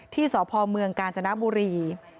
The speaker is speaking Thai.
ที่สพเมืองกาญจนบุรี